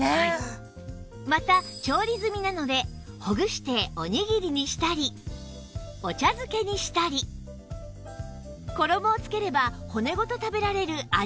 また調理済みなのでほぐしておにぎりにしたりお茶漬けにしたり衣を付ければ骨ごと食べられるあじフライに